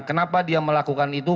kenapa dia melakukan itu